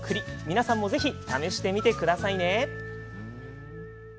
皆さんもぜひ試してみてくださいね。